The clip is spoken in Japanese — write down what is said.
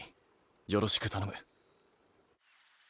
よろしく頼む。